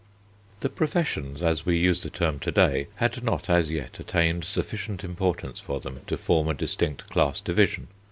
The professions, as we use the term to day, had not as yet attained sufficient importance for them to form a distinct class division.